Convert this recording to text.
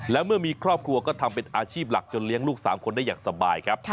และเมื่อมีครอบครัวก็ทำเป็นอาชีพหลักจนเลี้ยงลูก๓คนได้อย่างสบายครับ